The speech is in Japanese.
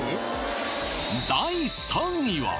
第３位は！